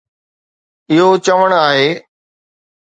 اهو چوڻ آهي.